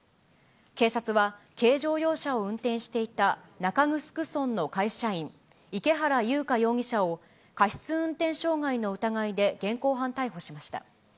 警察は軽乗用車を運転していた中城村の会社員、池原優香容疑者を、過失運転傷害の疑いで現行犯逮捕しました。